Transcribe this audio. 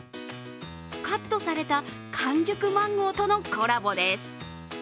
カットされた完熟マンゴーとのコラボです。